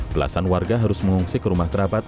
belasan warga harus mengungsi ke rumah kerabat